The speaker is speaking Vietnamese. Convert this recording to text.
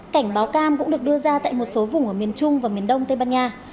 cảnh báo cam cũng được đưa ra tại một số vùng ở miền trung và miền đông tây ban nha